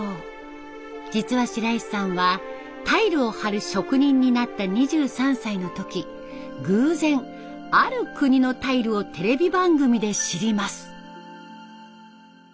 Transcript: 実は白石さんはタイルを張る職人になった２３歳の時偶然ある国のタイルをテレビ番組で知ります。